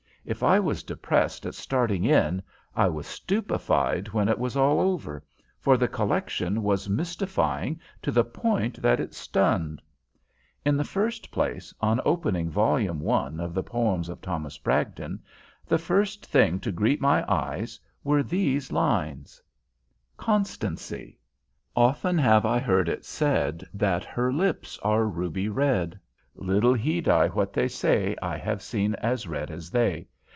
If I was depressed at starting in, I was stupefied when it was all over, for the collection was mystifying to the point that it stunned. In the first place, on opening Volume I. of the Poems of Thomas Bragdon, the first thing to greet my eyes were these lines: CONSTANCY Often have I heard it said That her lips are ruby red: Little heed I what they say, I have seen as red as they.